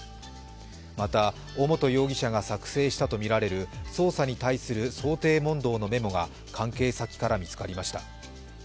また尾本容疑者が作成したとみられる、捜査に対する想定問答のメモが関係先から見つかりました。